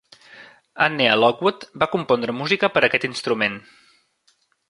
Annea Lockwood va compondre música per aquest instrument.